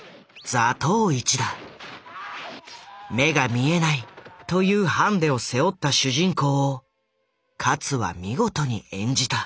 目が見えないというハンデを背負った主人公を勝は見事に演じた。